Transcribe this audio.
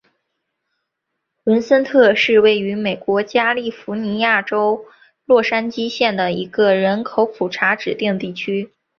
文森特是位于美国加利福尼亚州洛杉矶县的一个人口普查指定地区。